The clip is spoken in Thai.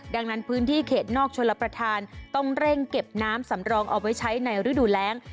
ดังนั้นพื้นที่เขตนอกชลประธานต้องเร่งเก็บน้ำสำรองเอาไว้ใช้ในฤดูแรง